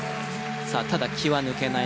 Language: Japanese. さあただ気は抜けない。